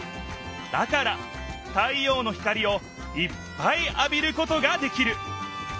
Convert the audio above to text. だから太ようの光をいっぱいあびることができる。